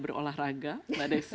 berolahraga mbak desy